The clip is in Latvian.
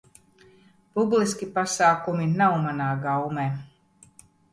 Publiski pasākumi nav manā gaumē!